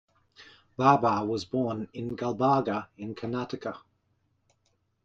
Babar was born in Gulbarga in Karnataka.